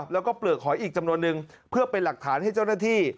แล้วก็เปลือกหอยอีกจำนวนนึงเพื่อเป็นหลักฐานให้เจ้าหน้าที่